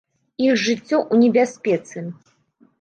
Іх жыццё ў небяспецы.